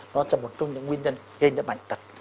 nó sẽ một trong những nguyên nhân gây ra bệnh tật